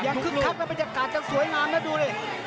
ยังคึกคับเป็นบรรยากาศจังสวยงามนะดูนี่